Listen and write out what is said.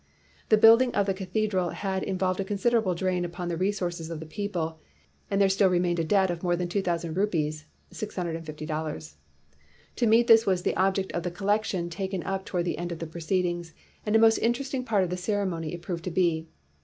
"The building of the cathedral had in volved a considerable drain upon the re sources of the people, and there still re mained a debt of more than 2,000 rupees [$650]. To meet this was the object of the collection taken up toward the end of the proceedings, and a most interesting part of the ceremony it proved to be.